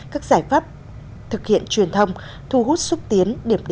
các giải pháp thực hiện truyền thông thu hút xúc tiến điểm đến cho du lịch hạ lâm